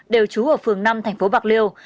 đều trú ở phường năm tp bạc liêu